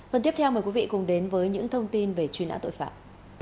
phần tiếp theo mời quý vị cùng đến với những thông tin về truy nã tội phạm